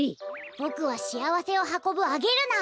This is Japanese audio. ボクはしあわせをはこぶアゲルナー。